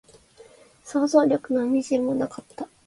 想像力の微塵もなかった